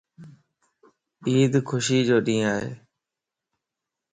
عيد خوشيءَ جو ڏينھن ائي